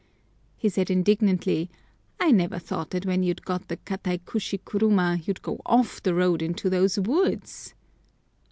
He said indignantly, "I never thought that when you'd got the Kaitakushi kuruma you'd go off the road into those woods!"